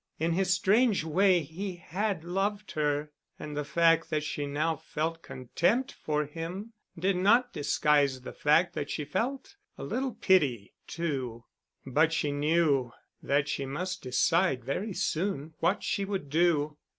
In his strange way he loved her, and the fact that she now felt contempt for him did not disguise the fact that she felt a little pity too. But she knew that she must decide very soon what she would do.